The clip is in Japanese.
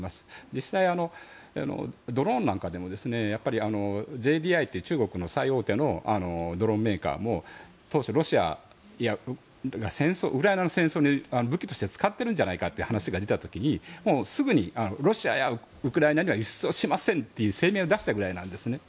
実際、ドローンなんかでもＪＤＩっていう中国の最大手のドローンメーカーも当初、ロシアウクライナの戦争に、武器として使ってるんじゃないかという話が出た時にすぐにロシアやウクライナには輸出しませんっていう声明を出したぐらいなんですね。